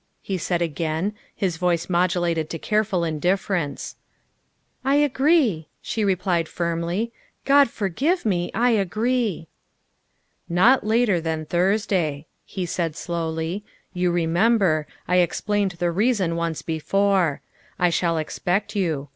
he said again, his voice modu lated to careful indifference. " I agree," she replied firmly, " God forgive me, I agree. ''" Not later than Thursday," he said slowly; " you remember, I explained the reason once before. I shall expect you.